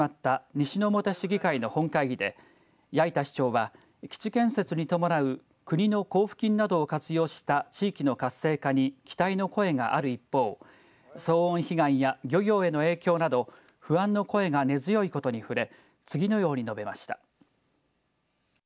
こうした中きょうから始まった西之表市議会の本会議で八板市長は、基地建設に伴う国の交付金などを活用した地域の活性化に期待の声がある一方騒音被害や漁業への影響など不安の声が根強いことに触れ